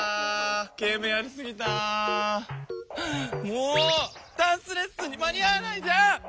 もうダンスレッスンに間に合わないじゃん！